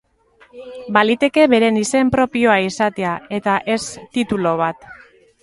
Baliteke bere izen propioa izatea, eta ez titulu bat.